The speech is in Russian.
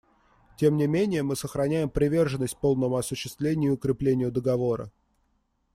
Тем не менее мы сохраняем приверженность полному осуществлению и укреплению Договора.